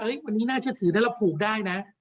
เฮ้ยวันนี้น่าเชื่อถือแล้วเราผูกได้นะ